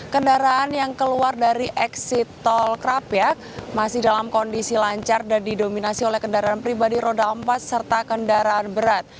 kendaraan yang keluar dari eksit tol krapia masih dalam kondisi lancar dan didominasi oleh kendaraan pribadi roda empat serta kendaraan berat